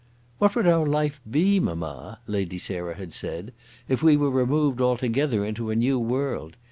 "What would our life be, mamma," Lady Sarah had said, "if we were removed altogether into a new world.